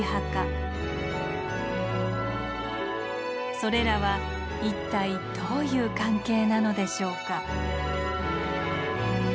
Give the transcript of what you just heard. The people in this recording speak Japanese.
それらは一体どういう関係なのでしょうか。